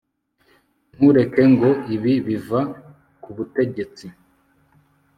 ntureke ngo ibi biva kubutegetsi